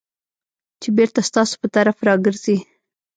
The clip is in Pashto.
چې بېرته ستاسو په طرف راګرځي .